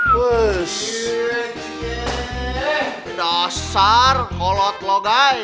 menjaga kalian guys